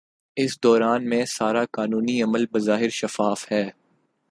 اس دوران میں سارا قانونی عمل بظاہر شفاف ہے۔